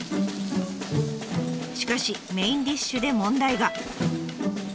しかしメインディッシュで問題が。